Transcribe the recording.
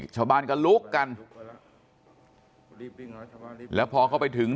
ชาวบ้านก็ลุกกันแล้วพอเข้าไปถึง